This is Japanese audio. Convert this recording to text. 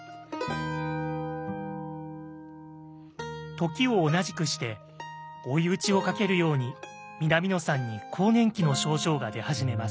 時を同じくして追い打ちをかけるように南野さんに更年期の症状が出始めます。